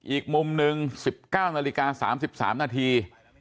อีกมุมหนึ่ง๑๙นาฬิกา๓๓นาที